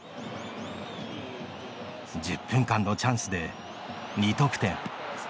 １０分間のチャンスで２得点。